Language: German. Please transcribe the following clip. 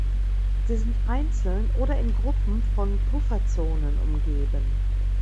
Sie sind einzeln oder in Gruppen von Pufferzonen umgeben.